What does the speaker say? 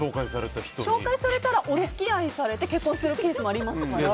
紹介されたらお付き合いされて結婚するケースもありますから。